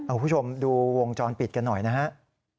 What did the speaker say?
คุณผู้ชมดูวงจรปิดกันหน่อยนะครับ